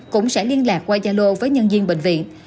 cũng sẽ liên lạc qua yalo với nhân viên bệnh viện